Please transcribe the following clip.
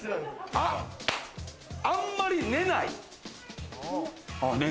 あんまり寝ない。